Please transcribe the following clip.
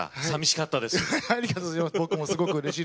寂しかったです。